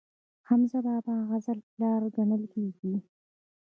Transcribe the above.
حمزه بابا د غزل پلار ګڼل کیږي.